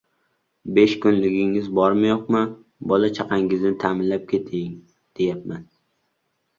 Besh kunligingiz bormi-yo‘qmi, bola-chaqangizni ta’minlab keting, deyapman!